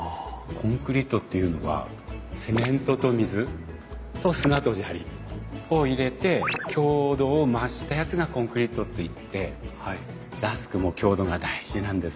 コンクリートっていうのはセメントと水と砂と砂利を入れて強度を増したやつがコンクリートっていってラスクも強度が大事なんです。